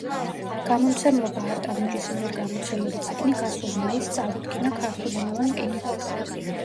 გამომცემლობა „არტანუჯის“ მიერ გამოცემული წიგნი გასულ მაისს წარუდგინა ქართულენოვან მკითხველს.